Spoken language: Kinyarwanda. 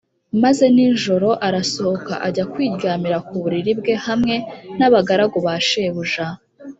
maze nijoro arasohoka ajya kwiryamira ku buriri bwe hamwe n’abagaragu ba shebuja